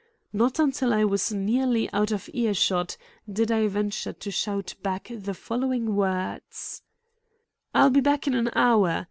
Not until I was nearly out of earshot did I venture to shout back the following words: "I'll be back in an hour.